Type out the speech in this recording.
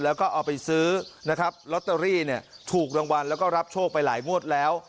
แล้วก็เอาไปซื้อนะครับลอตเตอรี่เนี่ยถูกรางวัลแล้วก็รับโชคไปหลายงวดแล้ว